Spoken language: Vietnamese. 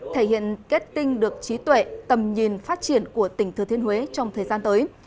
thể hiện kết tinh được trí tuệ tầm nhìn phát triển của tỉnh thừa thiên huế trong thời gian tới